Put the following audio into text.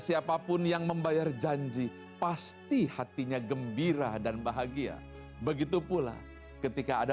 siapapun yang membayar janji pasti hati hati kita akan berjaya dan kita akan berjaya dan kita akan